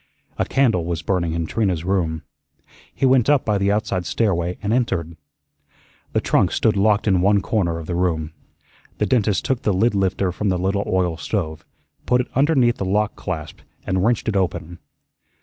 A candle was burning in Trina's room. He went up by the outside stairway and entered. The trunk stood locked in one corner of the room. The dentist took the lid lifter from the little oil stove, put it underneath the lock clasp and wrenched it open.